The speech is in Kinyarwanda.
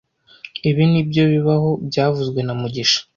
Ibi nibyo bibaho byavuzwe na mugisha